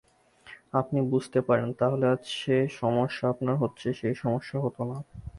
আপনি বুঝতে পারেন, তাহলে আজ যে- সমস্যা আপনার হচ্ছে সেই সমস্য হত না।